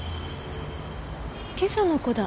今朝の子だ。